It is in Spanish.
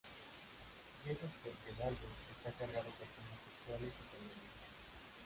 Y eso es porque el álbum está cargado con temas sexuales y femeninos.